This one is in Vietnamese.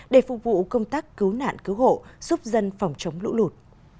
để phục vụ công tác cứu nạn cứu hộ giúp dân phòng chống lũ lụt